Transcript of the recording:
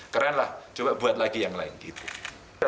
keren lah coba buat lagi yang lain gitu